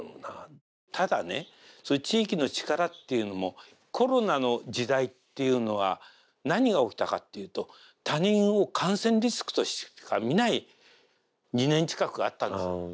ただねそういう地域の力っていうのもコロナの時代っていうのは何が起きたかっていうと他人を感染リスクとしてしか見ない２年近くあったんです。